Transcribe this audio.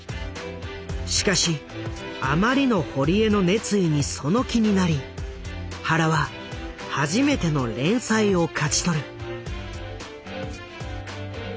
しかしあまりの堀江の熱意にその気になり原は初めての連載を勝ち取る。